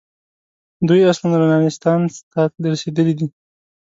دوی اصلاً رنسانستان ته رسېدلي دي.